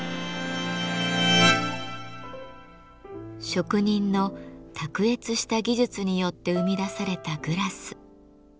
職人の卓越した技術によって生み出されたグラス。